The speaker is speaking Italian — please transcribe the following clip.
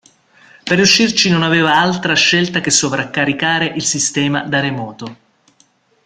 Per riuscirci non aveva altra scelta che sovraccaricare il sistema da remoto.